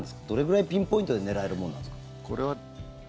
どれぐらいピンポイントで狙えるものなんですか？